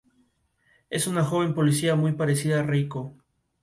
Natural de Madrid, fue discípulo de la Real Academia de San Fernando.